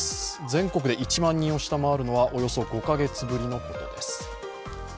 全国で１万人を下回るのは、およそ５カ月ぶりのことです。